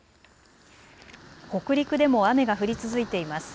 北陸でも雨が降り続いています。